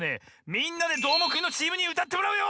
「みんなＤＥどーもくん！」のチームにうたってもらうよ！